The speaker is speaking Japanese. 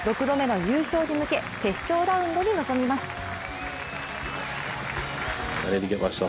６度目の優勝に向け決勝ラウンドに臨みます。